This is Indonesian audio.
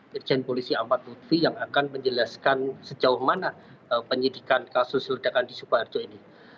irjen polisi ahmad lutfi yang akan menjelaskan sejauh mana penyidikan kasus ledakan di sukoharjo ini